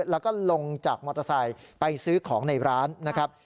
แล้วก็ลงจากมอเตอร์ไซค์ไปซื้อของในร้านนะครับ